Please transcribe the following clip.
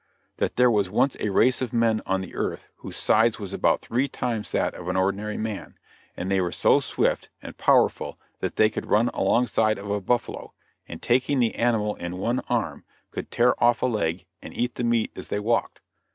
That there was once a race of men on the earth whose size was about three times that of an ordinary man, and they were so swift and powerful that they could run along side of a buffalo, and taking the animal in one arm could tear off a leg and eat the meat as they walked.